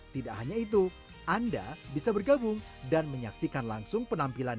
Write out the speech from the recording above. tidak hanya itu anda bisa bergabung dan menyaksikan langsung penampilan